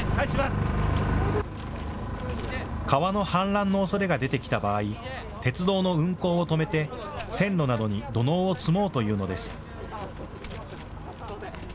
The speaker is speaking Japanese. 川の氾濫のおそれが出てきた場合、鉄道の運行を止めて線路などに土のうを積もうというのです。